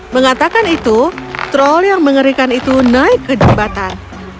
mengatakan itu troll yang mengerikan itu naik ke jembatan